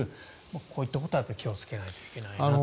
こういったことは気をつけないといけないなと。